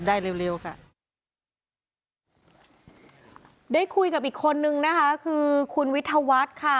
ได้คุยกับอีกคนนึงนะคะคือคุณวิทวัฒน์ค่ะ